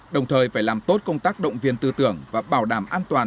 đồng thời phải làm tốt công tác động viên tư tưởng và bảo đảm an toàn